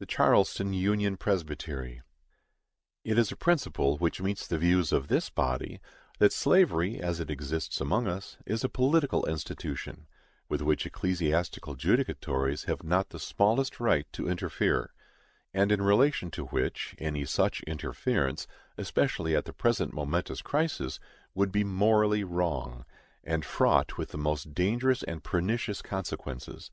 THE CHARLESTON UNION PRESBYTERY. It is a principle which meets the views of this body, that slavery, as it exists among us, is a political institution, with which ecclesiastical judicatories have not the smallest right to interfere; and in relation to which, any such interference, especially at the present momentous crisis, would be morally wrong, and fraught with the most dangerous and pernicious consequences.